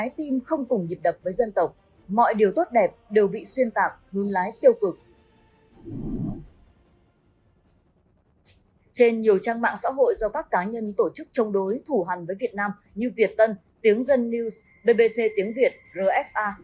trên nhiều trang mạng xã hội do các cá nhân tổ chức chống đối thủ hành với việt nam như việt tân tiếng dân news bbc tiếng việt rfa